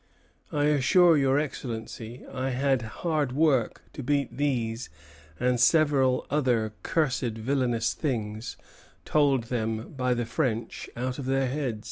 I assure your Excellency I had hard work to beat these and several other cursed villanous things, told them by the French, out of their heads."